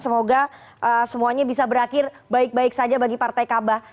semoga semuanya bisa berakhir baik baik saja bagi partai kabah